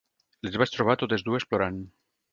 Les vaig trobar totes dues plorant.